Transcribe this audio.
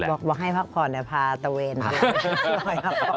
บอกว่าให้พักผ่อนแต่พาเตะเวนด้วย